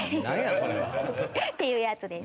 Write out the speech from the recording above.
それは。っていうやつです。